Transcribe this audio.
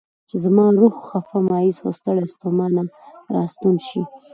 زما روح خفه، مایوس او ستړی ستومان راستون شي.